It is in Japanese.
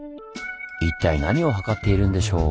一体何を測っているんでしょう？